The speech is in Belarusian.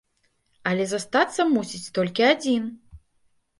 Але застацца мусіць толькі адзін!